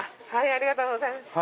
ありがとうございます。